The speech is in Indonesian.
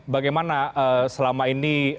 bagaimana selama ini